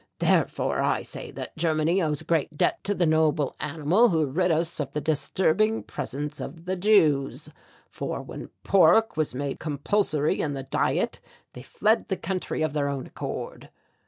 Therefore I say that Germany owes a great debt to the noble animal who rid us of the disturbing presence of the Jews, for when pork was made compulsory in the diet they fled the country of their own accord.